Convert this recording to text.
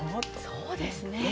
そうですね。